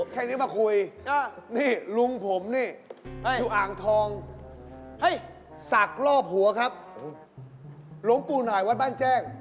แค่นี้มาคุยนี่ลุงผมนี่อยู่อ่างทองเฮ้ยศักดิ์รอบหัวครับหลวงปู่หน่อยวัดบ้านแจ้ง